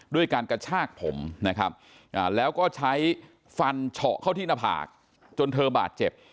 ด้วยการกระชากผมนะครับแล้วก็ใช้ฟันเฉาะเข้าที่หน้าผากจนเธอบาดเจ็บ